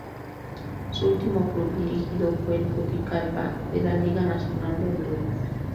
Su último club dirigido fue el Juticalpa de la Liga Nacional de Honduras.